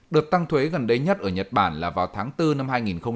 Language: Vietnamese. đợt tăng thuế gần đây nhất ở nhật bản là vào tháng bốn năm hai nghìn một mươi bốn